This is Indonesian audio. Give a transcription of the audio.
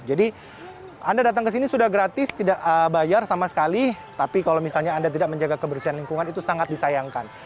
jadi anda datang ke sini sudah gratis tidak bayar sama sekali tapi kalau misalnya anda tidak menjaga kebersihan lingkungan itu sangat disayangkan